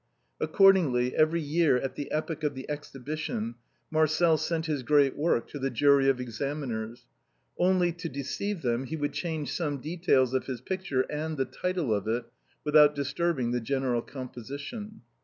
Accordingly, every year at the epoch of the Exhi bition, Marcel sent his great work to the jury of examiners ; only, to deceive them, he would change some details of his picture, and the title of it, without disturbing the general composition.